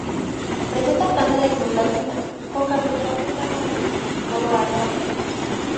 Presenta planta de cruz latina con cabecera pentagonal y coro alto a los pies.